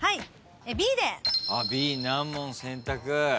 Ｂ難問選択。